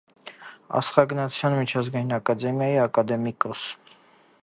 Աստղագնացության միջազգային ակադեմիայի ակադեմիկոս։